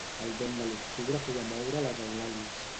El vent de l'octubre feia moure les eulàlies.